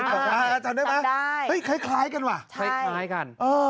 จำได้ไหมใช่จำได้เฮ้ยคล้ายกันว่ะใช่คล้ายกัน